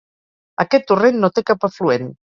Aquest torrent no té cap afluent.